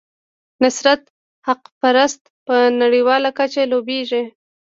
نصرت حقپرست په نړیواله کچه لوبیږي.